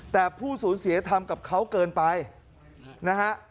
แต่ผู้สูญเสียทำกับเขาเกินไปนะฮะ